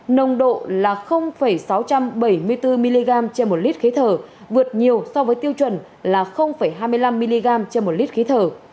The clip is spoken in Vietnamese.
nồng độ là sáu trăm bảy mươi bốn mg trên một lít khí thở vượt nhiều so với tiêu chuẩn là hai mươi năm mg trên một lít khí thở